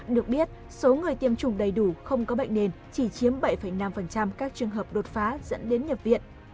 được biết số người tiêm chủng đầy đủ không có bệnh nền chỉ chiếm bảy năm các trường hợp đột phá dẫn đến nhập viện